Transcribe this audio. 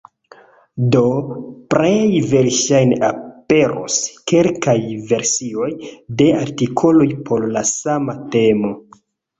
Do, plej verŝajne aperos kelkaj versioj de artikoloj por la sama temo.